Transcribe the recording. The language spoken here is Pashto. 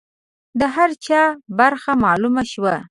د هر چا برخه معلومه شوه.